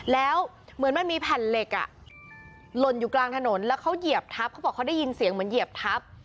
แล้วเหมือนมันมีแผ่นเหล็กหล่นอยู่กลางถนนแล้วเขาเหยียบทับเขาบอกเขาได้ยินเสียงเหมือนเหยียบทับ